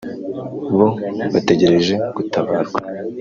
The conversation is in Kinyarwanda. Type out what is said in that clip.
bo bategereje gutabarwa